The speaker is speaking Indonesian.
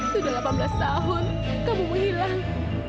sudah delapan belas tahun kamu hilang